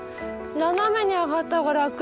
斜めに上がった方が楽？